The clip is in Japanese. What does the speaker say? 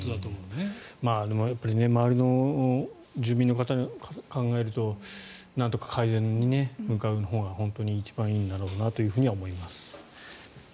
でもやっぱり周りの住民の方を考えるとなんとか改善に向かうほうが本当に一番いいんだろうなとは思います。